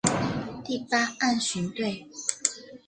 第八岸巡队